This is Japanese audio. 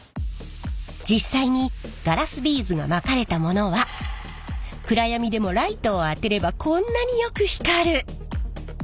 実際にガラスビーズがまかれたものは暗闇でもライトを当てればこんなによく光る！